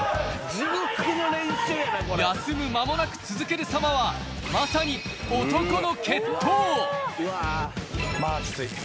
休むまもなく続ける様はまさに男の決闘。